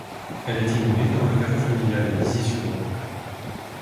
Elle est inhumée dans le caveau familial à Lizy-sur-Ourcq.